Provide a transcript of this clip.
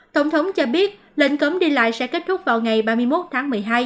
tổng thống cho biết lệnh cấm đi lại sẽ kết thúc vào ngày ba mươi một tháng một mươi hai